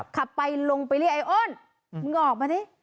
ขับไปลงไปเรียกไอ้อ้อนมึงออกมาดิ